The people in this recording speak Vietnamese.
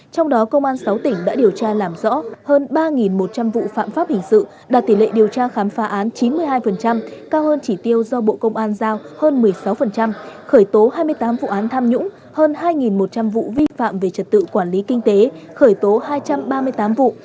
trong đó công an sáu tỉnh đã điều tra làm rõ hơn ba một trăm linh vụ phạm pháp hình sự đạt tỷ lệ điều tra khám phá án chín mươi hai cao hơn chỉ tiêu do bộ công an giao hơn một mươi sáu khởi tố hai mươi tám vụ án tham nhũng hơn hai một trăm linh vụ vi phạm về trật tự quản lý kinh tế khởi tố hai trăm ba mươi tám vụ